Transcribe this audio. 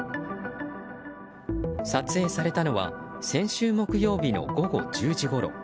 撮影されたのは先週木曜日の午後１０時ごろ。